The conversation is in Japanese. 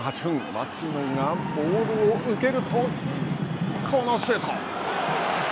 町野がボールを受けるとこのシュート。